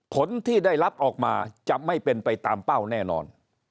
ผลที่ได้รับออกมาจะไม่เป็นไปตามเป้าแน่นอน